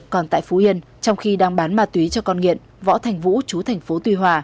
còn tại phú yên trong khi đang bán ma túy cho con nghiện võ thành vũ chú thành phố tuy hòa